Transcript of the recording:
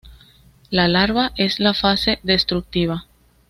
La larva es la fase destructiva.